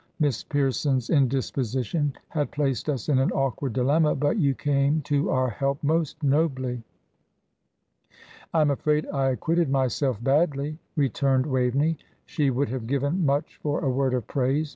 Miss Pierson's indisposition had placed us in an awkward dilemma, but you came to our help most nobly." "I am afraid I acquitted myself badly," returned Waveney. She would have given much for a word of praise.